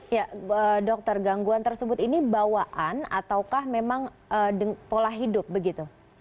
ya dokter gangguan tersebut ini bawaan ataukah memang pola hidup begitu